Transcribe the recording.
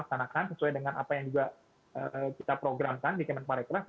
dan itu bisa dilakukan sesuai dengan apa yang juga kita programkan di kementerian pariwisata